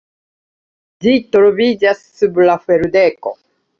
Ĝi troviĝas sub la ferdeko.